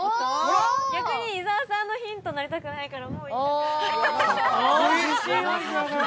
逆に、伊沢さんのヒントになりたくないからもう言いたくない。